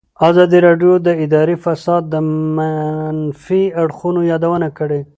ازادي راډیو د اداري فساد د منفي اړخونو یادونه کړې.